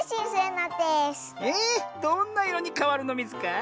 えどんないろにかわるのミズか？